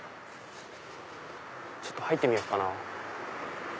ちょっと入ってみようかな。